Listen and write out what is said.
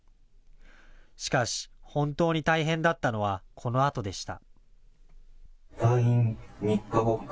しかし、本当に大変だったのはこのあとでした。